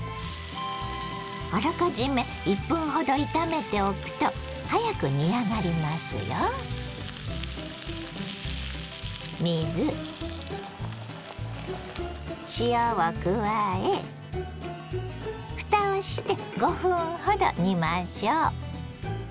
あらかじめ１分ほど炒めておくと早く煮上がりますよ。を加えふたをして５分ほど煮ましょう。